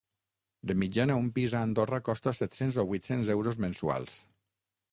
De mitjana un pis a Andorra costa set-cents o vuit-cents euros mensuals.